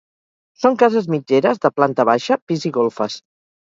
Són cases mitgeres, de planta baixa, pis i golfes.